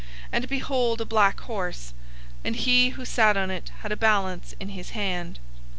And behold, a black horse, and he who sat on it had a balance in his hand.